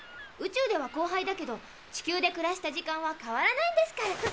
宇宙では後輩だけど地球で暮らした時間は変わらないんですから。